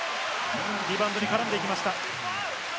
リバウンドに絡んでいきました。